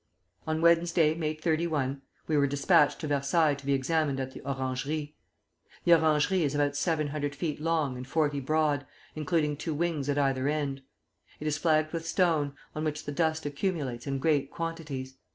"On Wednesday, May 31, we were despatched to Versailles to be examined at the orangerie. The orangerie is about seven hundred feet long and forty broad, including two wings at either end. It is flagged with stone, on which the dust accumulates in great quantities.